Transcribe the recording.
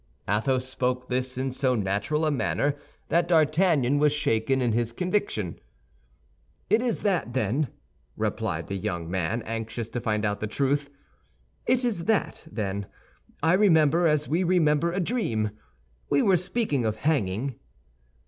Athos spoke this in so natural a manner that D'Artagnan was shaken in his conviction. "It is that, then," replied the young man, anxious to find out the truth, "it is that, then, I remember as we remember a dream. We were speaking of hanging."